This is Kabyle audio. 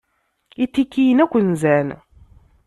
Itikiyen akk nzan.